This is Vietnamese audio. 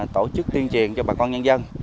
tổ chức tuyên truyền cho bà con nhân dân